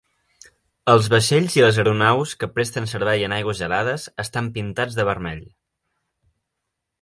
Els vaixells i les aeronaus que presten servei en aigües gelades estan pintats de vermell.